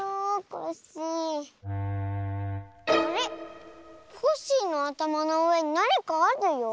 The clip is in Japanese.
コッシーのあたまのうえになにかあるよ。